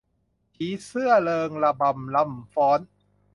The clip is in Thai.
ผีเสื้อเริงระบำรำฟ้อน